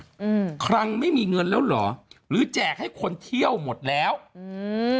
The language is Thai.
อืมครั้งไม่มีเงินแล้วเหรอหรือแจกให้คนเที่ยวหมดแล้วอืม